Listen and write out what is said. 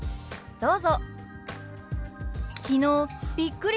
どうぞ。